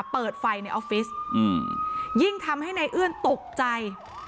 เปิดไฟในออฟฟิศยิ่งทำให้นายเอื้อนตกใจ